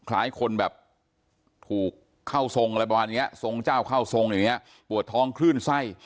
แล้วท่านผู้ชมครับบอกว่าตามความเชื่อขายใต้ตัวนะครับ